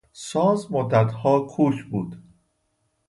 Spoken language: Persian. ساز مدتها کوک بود.